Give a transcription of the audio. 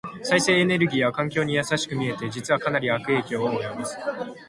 再生可能エネルギーは環境に優しく見えて、実はかなり悪影響を及ぼす。